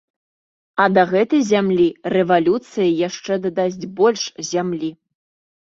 А да гэтай зямлі рэвалюцыя яшчэ дадасць больш зямлі.